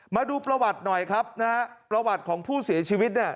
มาดูประวัติหน่อยครับนะฮะประวัติของผู้เสียชีวิตเนี่ย